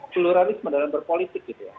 seluruh rizk medan berpolisik